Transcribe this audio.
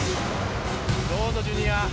どうぞジュニア。